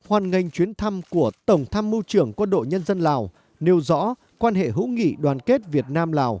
hoan nghênh chuyến thăm của tổng thăm mưu trưởng quân đội nhân dân lào nêu rõ quan hệ hữu nghị đoàn kết việt nam lào